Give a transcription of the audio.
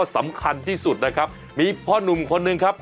สำคัญที่สุดนะครับมีพ่อหนุ่มคนหนึ่งครับ